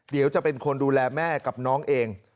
เดี๋ยวจะเป็นคนดูแลแม่กับน้องเอง